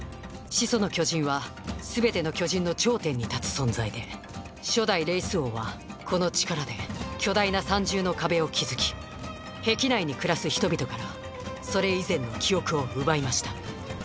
「始祖の巨人」はすべての巨人の頂点に立つ存在で初代レイス王はこの力で巨大な三重の壁を築き壁内に暮らす人々からそれ以前の記憶を奪いました。